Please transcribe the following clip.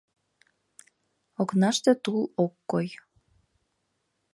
Окнаште тул ок кой.